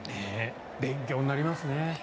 勉強になりますね。